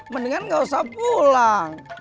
mendingan gak usah pulang